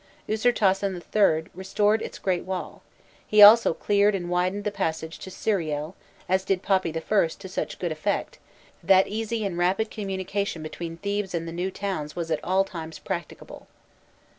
Usirtasen III. restored its great wall; he also cleared and widened the passage to Sériel, as did Papi I. to such good effect that easy and rapid communication between Thebes and the new towns was at all times practicable.